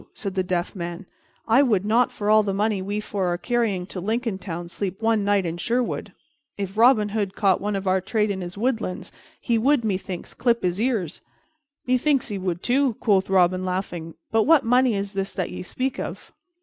said the Deaf man. "I would not for all the money we four are carrying to Lincoln Town sleep one night in Sherwood. If Robin Hood caught one of our trade in his woodlands he would, methinks, clip his ears." "Methinks he would, too," quoth Robin, laughing. "But what money is this that ye speak of?"